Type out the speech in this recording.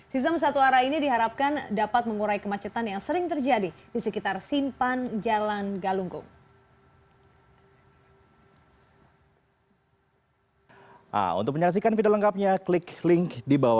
sistem satu arah ini diharapkan dapat mengurai kemacetan yang sering terjadi di sekitar simpan jalan galunggung